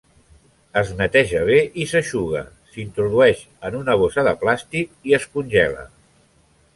Es neteja bé i s'eixuga, s'introdueix en una bossa de plàstic i es congela.